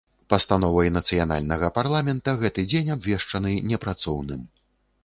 Пастановай нацыянальнага парламента гэты дзень абвешчаны непрацоўным.